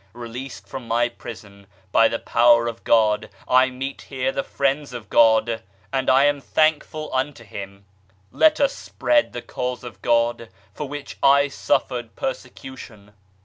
Released from my prison by the Power of God I meet here the friends of God, and I am thankful unto Him. Let us spread the Cause of God, for which I suffered persecution.